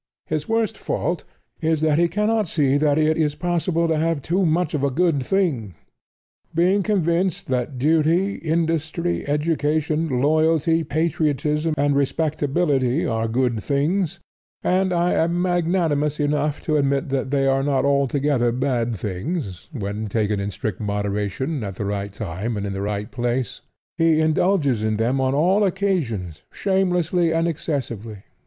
His worst fault is that he cannot see that it is possible to have too much of a good thing. Being convinced that duty, industry, education, loyalty, patriotism and respectability are good things (and I am magnanimous enough to admit that they are not altogether bad things when taken in strict moderation at the right time and in the right place), he indulges in them on all occasions shamelessly and excessively.